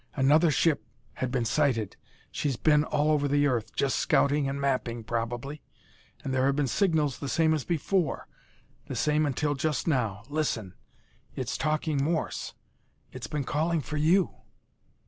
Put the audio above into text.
Another ship had been sighted; she's been all over the earth; just scouting and mapping, probably. And there have been signals the same as before the same until just now. Listen! it's talking Morse! it's been calling for you!"